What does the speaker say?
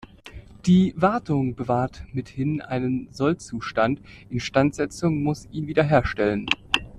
Die Wartung bewahrt mithin einen Sollzustand, Instandsetzung muss ihn wiederherstellen.